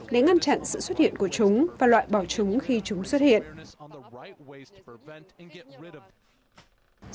để ngăn chặn sự xuất hiện của chúng và loại bỏ chúng khi chúng xuất hiện